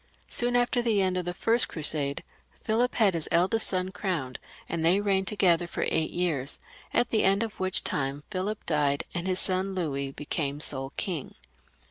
Soon after the end of the first Crusade Philip had his eldest son crowned, and they reigned to gether for eight years, at the end of which time Philip died, and his son Louis became sole king.